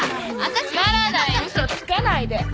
つまらない嘘つかないで。